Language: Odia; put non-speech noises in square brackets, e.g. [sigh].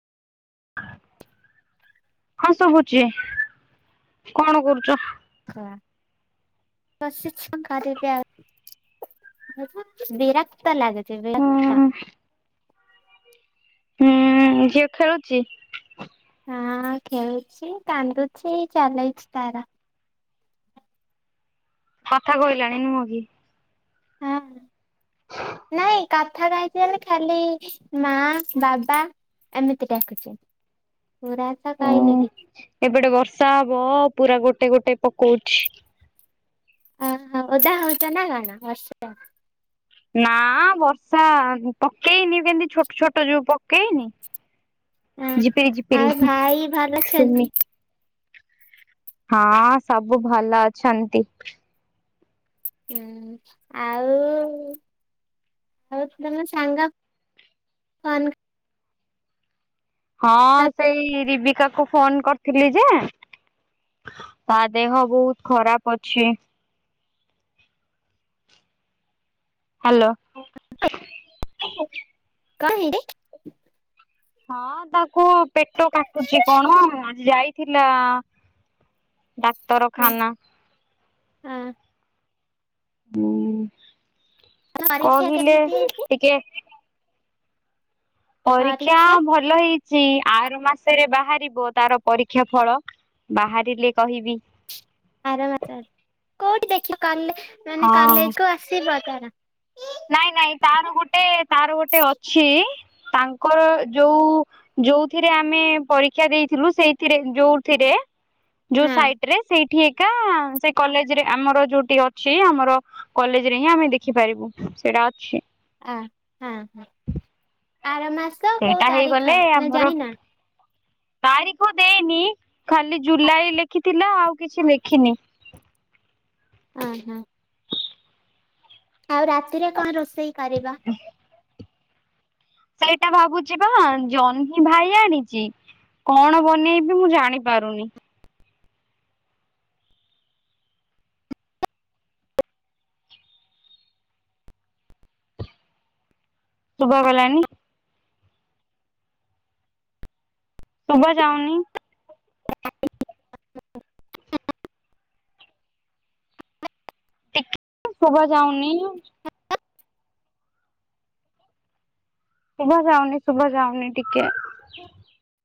ହଁ ଶୁଭୁଛି, କଣ କରୁଛ? ହଁ ବସିଛି [unintelligible] ବିରକ୍ତ ଲାଗୁଛି ହୁଁ ବିଲକ୍ତ। ହୁଁ ଝିଅ ଖେଳୁଛି? ହଁ ଖେଳୁଛି କାନ୍ଦୁଛି ଚାଲେଇଛି ତାର। କଥା କହିଲାଣି ନୁହଁ କି? ହଁ। ନାଇଁ କଥା କହୁଚି ବୋଲେ ଖାଲି ମା ବାବା। ଏମିତି ଡାକୁଛି ପୁର ତ କହିନି ହୁଁ କିଛି। ଏପଟେ ବର୍ଷା ହବ ପୁରା ଗୋଟେ ଗୋଟେ ପକଉଛି। ଅ ଓଦା ହଉଚ ନା କଣ ବର୍ଷାଟା। ନା ବର୍ଷା ପକେଇନି କେମତି ଛୋଟ ଛୋଟ ଯୋଉ ପକେଇନି। ହଁ ଝିପିରୀ ଝିପିରୀ ଆଉ ଭାଇ ଭଲ ଅଛନ୍ତି ସେମି ହଁ ସବୁ ଭଲ ଅଛନ୍ତି। ହୁଁ ଆଉ ଆଉ ତମ ସାଙ୍ଗ କନ ହଁ ସେଇ ରିବିକା କୁ ଫୋନ କରି ଥିଲି ଯେ ତା ଦେହ ବହୁତ ଖରାପ ଅଛି। ହ୍ୟାଲୋ। କଣ ହେଇିଚି? ହଁ ତାକୁ ପେଟ କାଟୁଛି କଣ ଆଜି ଯାଇଥିଲା ଡାକ୍ତରଖାନା। ହୁଁ ପରୀକ୍ଷା କହିଲେ କେମିତି ହେଇଛି ଟିକେ। ପରୀକ୍ଷା ଭଲ ହେଇ ଆର ମାସରେ ବାହାରିବ ତାର ପରୀକ୍ଷା ଫଳ ବାହାରିଲେ କହିବି। ଆର ମାସରେ କୋଉଠି ଦେଖିବ କଲେ ମାନେ ହଁ କଲେଜ କୁ ଆସିବ ତାର? ନାଇଁ ନାଇଁ ତାର ଗୋଟେ ତାର ଗୋଟେ ଅଛି ତାଙ୍କର ଯୋଉ ଯୋଉଥିରେ ଆମେ ପରୀକ୍ଷା ଦେଇଥିଲୁ ସେଇଥିରେ ଯୋଉଥିରେ ଯୋଉ ହଁ ସାଇଟରେ ସେଇଠି ସେଇ କଲେଜରେ ଆମର ଯୋଉଠି ଅଛି ଆମର କଲେଜ ରେ ହିଁ ଆମେ ଦେଖିପାରିବୁ। ସେଟା ଅଛି। ଅ ହଁ ହଁ ଆର ମାସ ସେଇଟା କୋଉ ହେଇଗଲେ ତାରିଖ ନା ଆମର ଜାଣିନା? ତାରିଖ ଦେଇନି, ଖାଲି ଜୁଲାଇ ଲେଖିଥିଲା ଆଉ କିଛି ଲେଖିନି। ହଁ ହଁ। ଆଉ ରାତିରେ କଣ ରୋଷେଇ କରିବା? ସେଇଟା ଭାବୁଛିପା ବା ଜହ୍ନି ଭାଇ ଆଣିଛି। କଣ ବନେଇବି ମୁଁ ଜାଣି ପାରୁନି? ଶୁଭା ଗଲାନି। ଶୁଭା ଯାଉନି। ଟିକ ଶୁଭା ଯାଉନି। ଶୁଭା ଯାଉନି ଶୁଭା ଯାଉନି ଟିକେ।